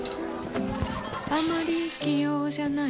あまり器用じゃないほうです。